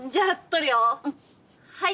はい。